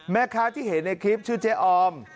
แม่ค้าที่เห็นในคลิปชื่อเจ๊ออม